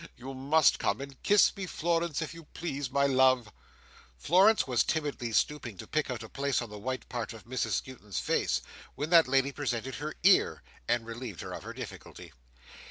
You must come and kiss me, Florence, if you please, my love." Florence was timidly stooping to pick out a place in the white part of Mrs Skewton's face, when that lady presented her ear, and relieved her of her difficulty.